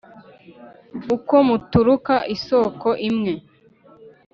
uko muturuka isoko imwe,